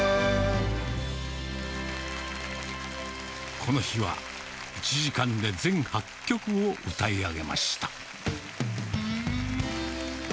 この日は１時間で全８曲を歌い上げました。